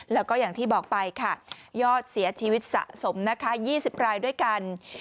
แล้วก็อย่างที่บอกไปค่ะยอดเสียชีวิตสะสมนะคะ๒๐รายด้วยกัน